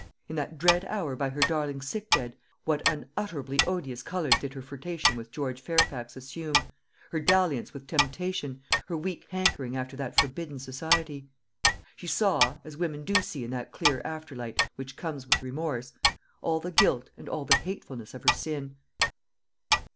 In that dread hour by her darling's sick bed, what unutterably odious colours did her flirtation with George Fairfax assume her dalliance with temptation, her weak hankering after that forbidden society! She saw, as women do see in that clear after light which comes with remorse, all the guilt and all the hatefulness of her sin.